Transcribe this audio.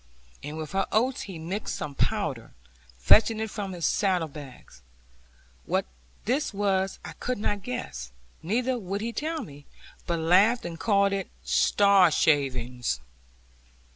And with her oats he mixed some powder, fetching it from his saddle bags. What this was I could not guess, neither would he tell me, but laughed and called it 'star shavings.'